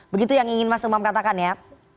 begitu yang ingin mas umam katakan ya